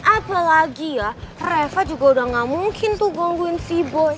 apalagi ya reva juga udah gak mungkin tuh nungguin sea boy